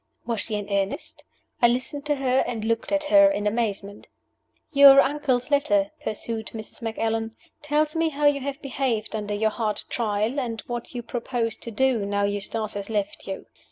Was she in earnest? I listened to her and looked at her in amazement. "Your uncle's letter," pursued Mrs. Macallan, "tells me how you have behaved under your hard trial, and what you propose to do now Eustace has left you.